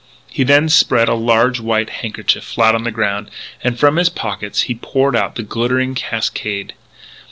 He then spread a large white handkerchief flat on the ground; and, from his pockets, he poured out the glittering cascade.